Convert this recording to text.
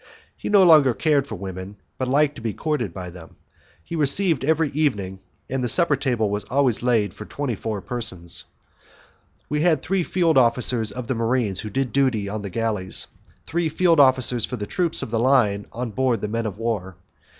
He no longer cared for women, but liked to be courted by them. He received every evening, and the supper table was always laid for twenty four persons. We had three field officers of the marines who did duty on the galleys, and three field officers for the troops of the line on board the men of war.